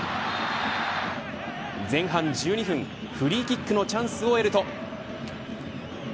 前半１２分、フリーキックのチャンスを得ると。